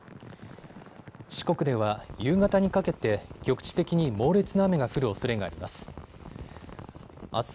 四国では夕方にかけて局地的に猛烈な雨が降るおそれがあります。